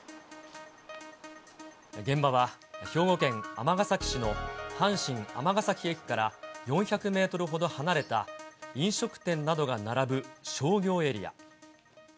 現場は、兵庫県尼崎市の阪神尼崎駅から４００メートルほど離れた飲食店などが並ぶ商業エリア。